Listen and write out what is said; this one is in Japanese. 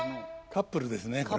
カップルですねこれね。